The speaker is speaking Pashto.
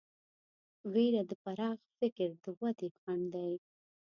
وېره د پراخ فکر د ودې خنډ دی.